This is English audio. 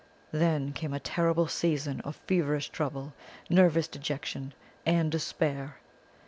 Then came a terrible season of feverish trouble, nervous dejection and despair.